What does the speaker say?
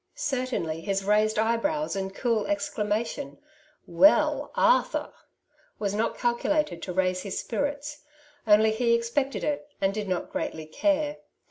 Certainly his raised eyebrows and cool exclamation, '' Well, Arthur !'^ was not calculated to raise his spirits, only he expected it, and did not greatly care.